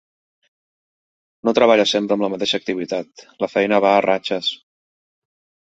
No treballa sempre amb la mateixa activitat: la feina va a ratxes.